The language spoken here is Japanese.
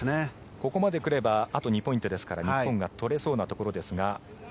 ここまでくればあと２ポイントですから日本が取れそうなところですが。